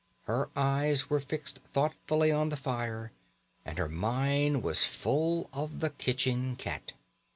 Her eyes were fixed thoughtfully on the fire, and her mind was full of the kitchen cat.